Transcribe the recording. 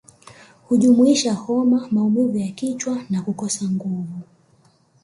Hujumuisha homa maumivu ya kichwa na kukosa nguvu